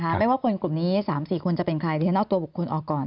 ไม่ว่าคนกลุ่มนี้๓๔คนจะเป็นใครที่ฉันเอาตัวบุคคลออกก่อน